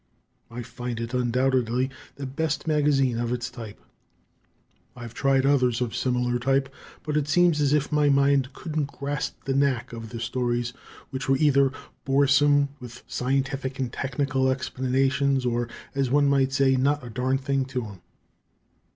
I find it, undoubtedly, the best magazine of its type. I've tried others of similar type, but it seems as if my mind couldn't grasp the knack of their stories, which were either boresome with scientific and technical explanations, or, as one might say, "not a darn thing to them."